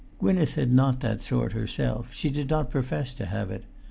Gwynneth had not that sort herself; she did not profess to have it.